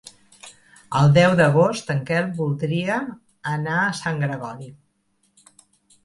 El deu d'agost en Quel voldria anar a Sant Gregori.